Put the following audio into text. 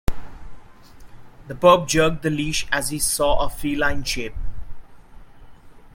The pup jerked the leash as he saw a feline shape.